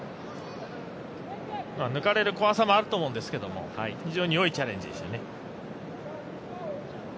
抜かれる怖さもあると思うんですけど非常に良いチャレンジでしたね。